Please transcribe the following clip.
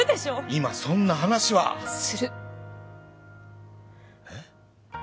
今そんな話はするえっ？